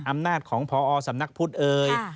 อำนาจของพอสำนักพุทธเอ่ย